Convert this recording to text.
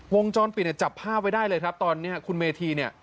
วงจรปิดเนี่ยจับภาพไว้ได้เลยครับตอนนี้คุณเมธีเนี่ย